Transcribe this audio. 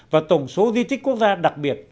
và tổng số di tích quốc gia đặc biệt